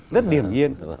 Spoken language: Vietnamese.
rất điểm nhiên